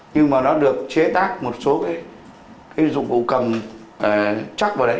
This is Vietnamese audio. nhưng mà nó được chế tác một số cái dụng cụ cầm chắc vào đấy